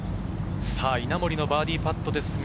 稲森のバーディーパットです。